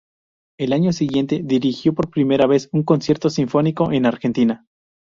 El año siguiente dirigió por primera vez un concierto sinfónico en Argentina.